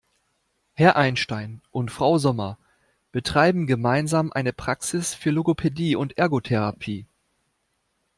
Herr Einstein und Frau Sommer betreiben gemeinsam eine Praxis für Logopädie und Ergotherapie.